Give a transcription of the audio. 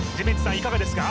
いかがですか？